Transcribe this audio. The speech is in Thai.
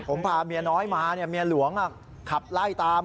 ผมพาเมียน้อยมาเมียหลวงขับไล่ตาม